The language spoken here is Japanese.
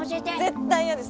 絶対嫌です！